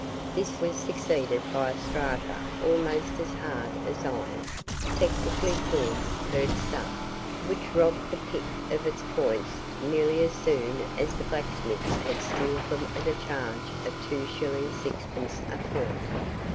This was succeeded by a strata almost as hard as iron technically called "burnt stuff," which robbed the pick of its points nearly as soon as the blacksmith had steeled them at a charge of 2s. 6d. a point.